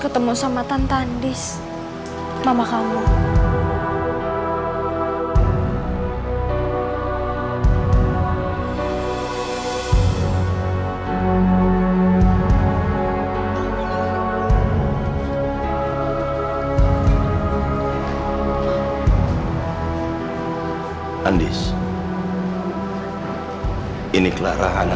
kau pasti bisa clara